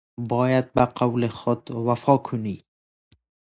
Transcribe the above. باید به قول خود وفا کنی !